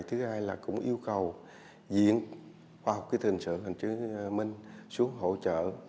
thứ hai là cũng yêu cầu diễn khoa học kỹ thuật hình sự hành trí minh xuống hỗ trợ